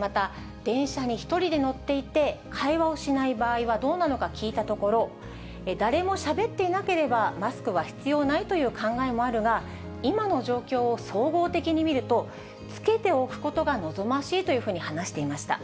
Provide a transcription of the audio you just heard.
また、電車に１人で乗っていて、会話をしない場合はどうなのか聞いたところ、誰もしゃべっていなければマスクは必要ないという考えもあるが、今の状況を総合的に見ると、着けておくことが望ましいというふうに話していました。